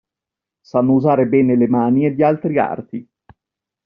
Sanno usare bene le mani e gli altri arti.